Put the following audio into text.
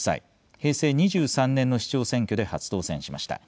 平成２３年の市長選挙で初当選しました。